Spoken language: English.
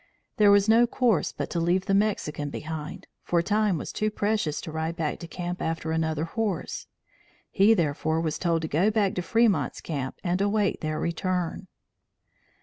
There was no course but to leave the Mexican behind, for time was too precious to ride back to camp after another horse. He, therefore was told to go back to Fremont's camp and await their return.